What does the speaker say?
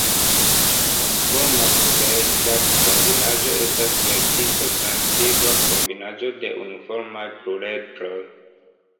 Unuforma pluredra kombinaĵo estas vertico-transitiva kombinaĵo de unuformaj pluredroj.